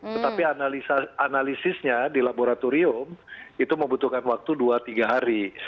tetapi analisisnya di laboratorium itu membutuhkan waktu dua tiga hari